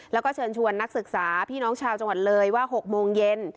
แล้วก็เชิญชวนนักศึกษาพี่น้องชาวจังหวัดเลยว่า๖โมงเย็น